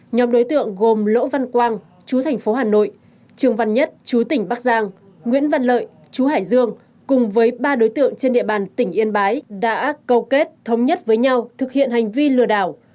nhóm đối tượng gồm lỗ văn quang chú thành phố hà nội trường văn nhất chú tỉnh bắc giang nguyễn văn lợi chú hải dương cùng với ba đối tượng trên địa bàn tỉnh yên bái đã câu kết thống nhất với nhau thực hiện hành vi lừa đảo